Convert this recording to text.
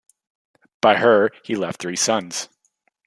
By her he left three sons.